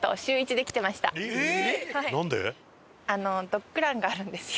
ドッグランがあるんですよ